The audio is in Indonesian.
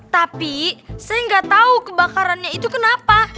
tapi saya nggak tahu kebakarannya itu kenapa